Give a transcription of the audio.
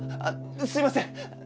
あっすいません。